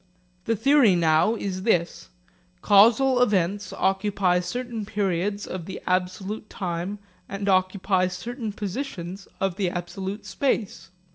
The theory now is this: Causal events occupy certain periods of the absolute time and occupy certain positions of the absolute space.